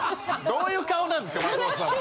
どういう顔なんですか松本さん。